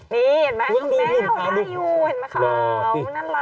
เนี่ยตรงแมวมันข้าอยู่ข้าวน่ารัก